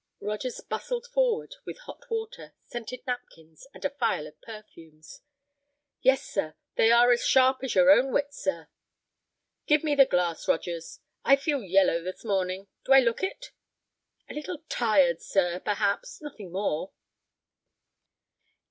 Rogers bustled forward with hot water, scented napkins, and a phial of perfumes. "Yes, sir, they are as sharp as your own wit, sir." "Give me the glass, Rogers. I feel yellow this morning. Do I look it?" "A little tired, sir, perhaps. Nothing more."